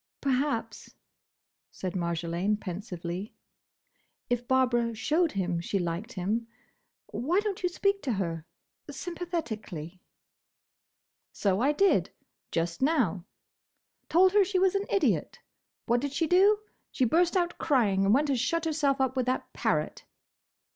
"Perhaps," said Marjolaine, pensively, "if Barbara showed him she liked him—Why don't you speak to her? Sympathetically." "So I did, just now. Told her she was an idiot. What did she do? She burst out crying, and went and shut herself up with that parrot."